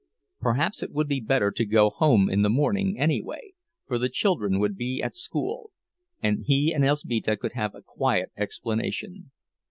Perhaps it would be better to go home in the morning, anyway, for the children would be at school, and he and Elzbieta could have a quiet explanation.